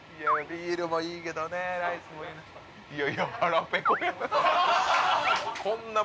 ビールもいいけどねライスもいいな